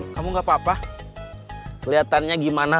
kamu gak papa kelihatannya gimana